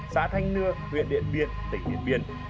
xã thanh nưa huyện điện biên tỉnh điện biên